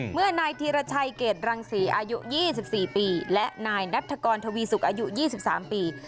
เมื่อนายธีรชัยเกรดรังศรีอายุ๒๔ปีและนายนัฐกรทวีสุกอายุ๒๓ปี